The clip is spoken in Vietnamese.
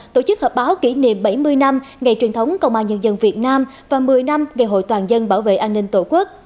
tổ chức hợp báo kỷ niệm bảy mươi năm ngày truyền thống công an nhân dân việt nam và một mươi năm ngày hội toàn dân bảo vệ an ninh tổ quốc